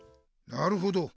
なるほど。